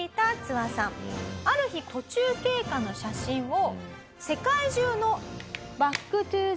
ある日途中経過の写真を。